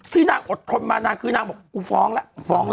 ที่นางอดทนมานางก็บอกกูฟ้องละฟ้องละ